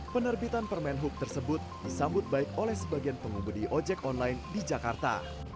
penerbitan permen hub tersebut disambut baik oleh sebagian pengumudi ojek online di jakarta